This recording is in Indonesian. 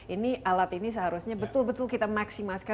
ini alat ini seharusnya betul betul kita maksimalkan